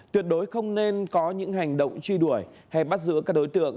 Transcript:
tuyệt đối không nên có những hành động truy đuổi hay bắt giữ các đối tượng